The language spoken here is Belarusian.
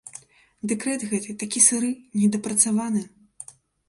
Дэкрэт гэты такі сыры, недапрацаваны.